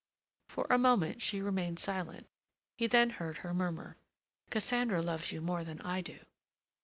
For a moment she remained silent. He then heard her murmur: "Cassandra loves you more than I do."